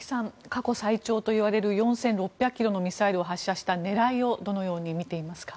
過去最長といわれる４６００ｋｍのミサイルを発射した狙いをどのように見ていますか？